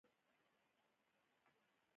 اورېدل د معرفت دروازه ده.